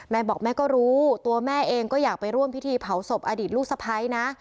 บอกแม่ก็รู้ตัวแม่เองก็อยากไปร่วมพิธีเผาศพอดีตลูกสะพ้ายนะ